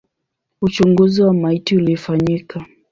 Uchunguzi wa maiti ulifanyika.